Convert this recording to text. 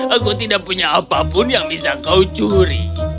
aku tidak punya apa apa yang bisa kau curi